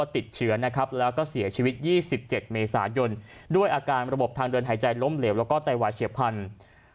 ติดเชื้อนะครับแล้วก็เสียชีวิต๒๗เมษายนด้วยอาการระบบทางเดินหายใจล้มเหลวแล้วก็ไตวายเฉียบพันธุ์